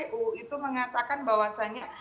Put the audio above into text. kpu itu mengatakan bahwasannya